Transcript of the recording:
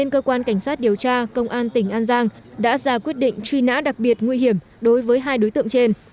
cơ quan cảnh sát điều tra công an tỉnh an giang đã ra quyết định truy nã đặc biệt nguy hiểm đối với hai đối tượng trên